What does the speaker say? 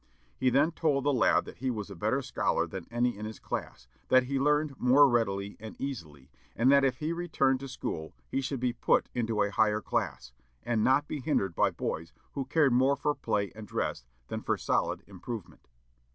He then told the lad that he was a better scholar than any in his class, that he learned more readily and easily, and that if he returned to school he should be put into a higher class, and not be hindered by boys who cared more for play and dress than for solid improvement.